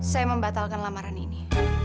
saya membatalkan lamaran ini